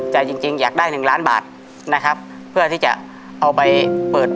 แต่จริงจริงอยากได้หนึ่งล้านบาทนะครับเพื่อที่จะเอาไปเปิด